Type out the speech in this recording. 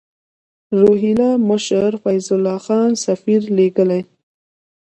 روهیله مشر فیض الله خان سفیر لېږلی.